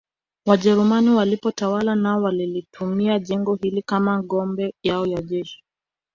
Wajerumani walipotawala nao walilitumia jengo hili kama ngome yao ya jeshi